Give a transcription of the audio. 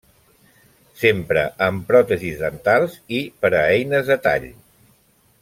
S'empra en pròtesis dentals i per a eines de tall.